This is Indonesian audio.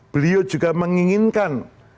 beliau juga menginginkan